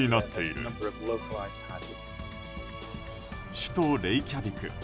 首都レイキャビク。